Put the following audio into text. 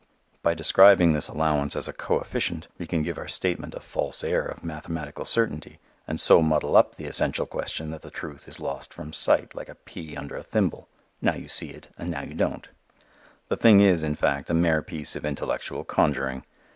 By describing this allowance as a coefficient we can give our statement a false air of mathematical certainty and so muddle up the essential question that the truth is lost from sight like a pea under a thimble. Now you see it and now you don't. The thing is, in fact, a mere piece of intellectual conjuring.